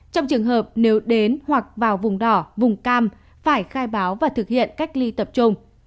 trong trường hợp nếu đến hoặc vào vùng đỏ vùng cam phải khai báo và thực hiện cách ly tập trung